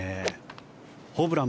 ホブラン